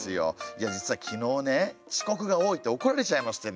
いや実は昨日ね遅刻が多いって怒られちゃいましてね。